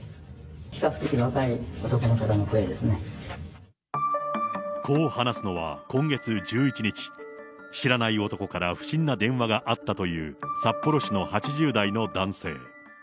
比較的、こう話すのは、今月１１日、知らない男から不審な電話があったという札幌市の８０代の男性。